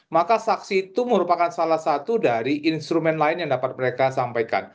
maka saksi itu merupakan salah satu dari instrumen lain yang dapat mereka sampaikan